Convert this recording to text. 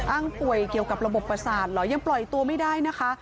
อ้างป่วยเกี่ยวกับระบบประสาทเหรอยังปล่อยตัวไม่ได้นะคะ